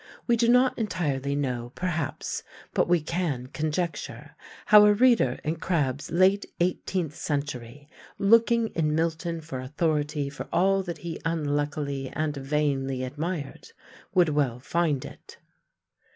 We do not entirely know, perhaps, but we can conjecture how a reader in Crabbe's late eighteenth century, looking in Milton for authority for all that he unluckily and vainly admired, would well find it.